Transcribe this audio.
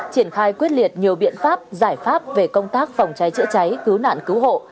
triển khai quyết liệt nhiều biện pháp giải pháp về công tác phòng cháy chữa cháy cứu nạn cứu hộ